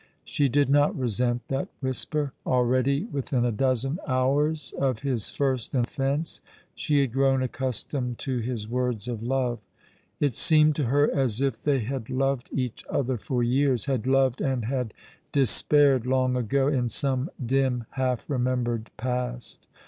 She did not resent that whisper. Already, within a dozen hours of his first oficncc, she had grown accustomed 72 All along the River, to his words of love. It seemed to her as if they had loved each other for years — had loved and had despaired long ago, in some dim half remembered past.